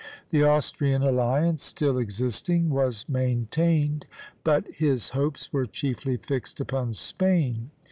The Austrian alliance still existing was maintained, but his hopes were chiefly fixed upon Spain.